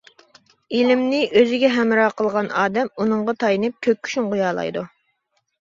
ئىلىمنى ئۆزىگە ھەمراھ قىلغان ئادەم ئۇنىڭغا تايىنىپ كۆككە شۇڭغۇيالايدۇ.